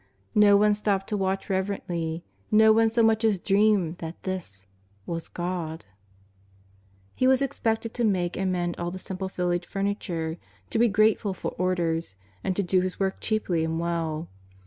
Xo one stopped to watch reverently, no one so much as dreamed that this — was God ! He was expected to make and mend all the simple village furniture, to be grateful for orders, and to do His work cheaply and well.